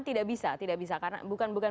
tidak bisa karena bukan